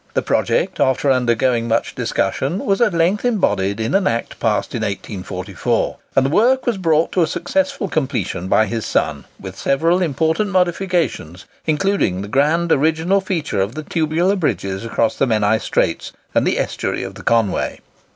The project, after undergoing much discussion, was at length embodied in an Act passed in 1844; and the work was brought to a successful completion by his son, with several important modifications, including the grand original feature of the tubular bridges across the Menai Straits and the estuary of the Conway.